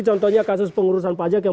contohnya kasus pengurusan pajak yang